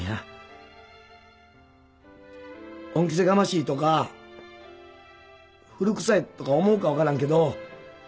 恩着せがましいとか古くさいとか思うか分からんけど。